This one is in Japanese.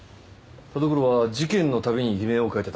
田所は事件の度に偽名を変えてた。